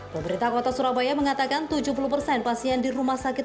pemerintah kota surabaya mengatakan tujuh puluh persen pasien di rumah sakit